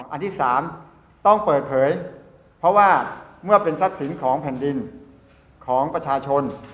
อันที่๓ต้องเปิดเผยเพราะว่าเมื่อเป็นทรัพย์สินของแผ่นดินของประชาชน